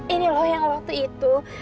ini loh yang waktu itu